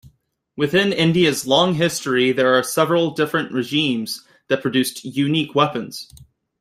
Within India's long history there are several different regimes that produced unique weapons.